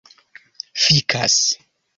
fikas